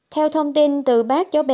theo thông tin từ bác cháu bé